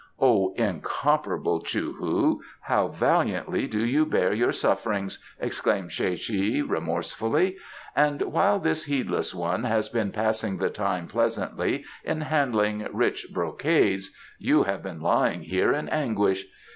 "Oh, incomparable Chou hu, how valiantly do you bear your sufferings!" exclaimed Tsae che remorsefully. "And while this heedless one has been passing the time pleasantly in handling rich brocades you have been lying here in anguish.